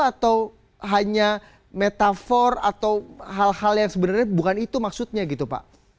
atau hanya metafor atau hal hal yang sebenarnya bukan itu maksudnya gitu pak